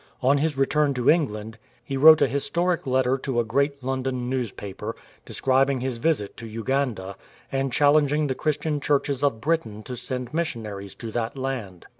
On his return to England he wrote a historic letter to a great London newspaper, de scribing his visit to Uganda, and challenging the Christian Churches of Britain to send missionaries to that land.